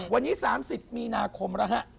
วันนี้๓๐มีนาคมแล้วฮะ